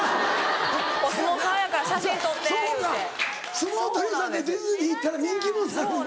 相撲取りさんってディズニー行ったら人気者になるんだ。